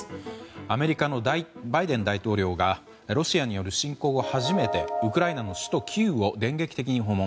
アメリカのバイデン大統領がロシアによる侵攻後、初めてウクライナの首都キーウを電撃的に訪問。